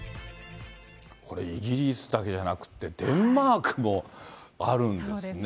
これ、イギリスだけじゃなくって、デンマークもあるんですね。